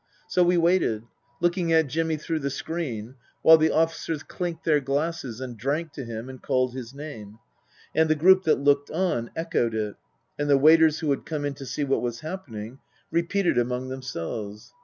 So we waited, looking at Jimmy through the screen, while the officers clinked their glasses and drank to him and called his name ; and the group that looked on echoed it ; and the waiters who had come in to see what was happen ing, repeated it among themselves.